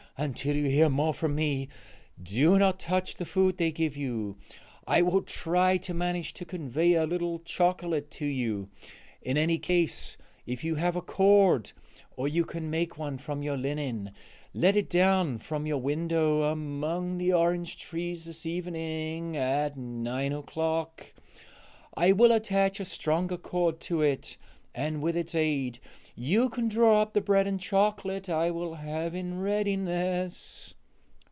Until you hear more from me, do not touch the food they give you; I will try to manage to convey a little chocolate to you. In any case, if you have a cord, or can make one from your linen, let it down from your window among the orange trees this evening at nine o'clock. I will attach a stronger cord to it, and with its aid you can draw up the bread and chocolate I will have in readiness."